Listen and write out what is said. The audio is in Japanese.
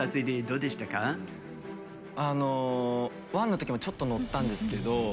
１の時もちょっと乗ったんですけど。